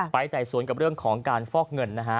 ไต่สวนกับเรื่องของการฟอกเงินนะฮะ